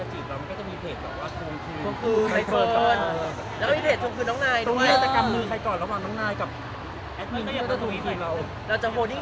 หรือบอกแต่นี่ก็น้องน้ายจบไว้